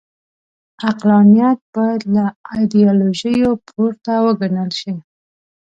عقلانیت باید له ایډیالوژیو پورته وګڼل شي.